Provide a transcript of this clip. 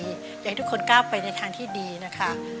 อยากให้ทุกคนก้าวไปในทางที่ดีนะคะ